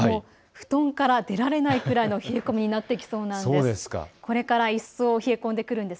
布団から出られないくらいの冷え込みになりそうです。